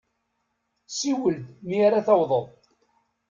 Siwel-d mi ara tawḍeḍ.